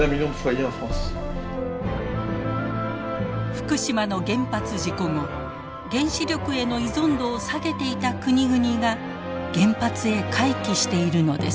福島の原発事故後原子力への依存度を下げていた国々が原発へ回帰しているのです。